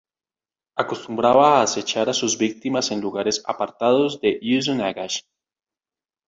Acostumbraba a acechar a sus víctimas en lugares apartados de Uzun-Agach.